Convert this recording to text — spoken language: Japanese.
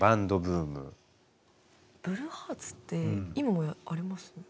ブルーハーツって今もあります？